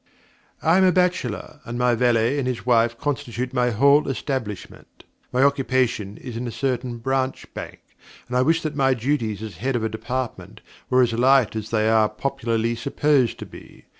I am a bachelor, and my valet and his wife constitute my whole establishment. My occupation is in a certain Branch Bank, and I wish that my duties as head of a Department were as light as they are popularly supposed to be.